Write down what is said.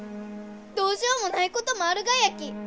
どうしようもないこともあるがやき！